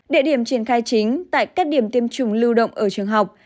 địa điểm triển khai chính tại các điểm tiêm chủng lưu động ở trường học